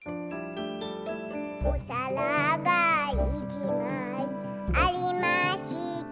「おさらがいちまいありました」